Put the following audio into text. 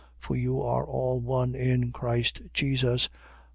For you are all one in Christ Jesus.